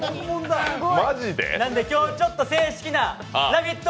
なんで、今日ちょっと正式な「ラヴィット！」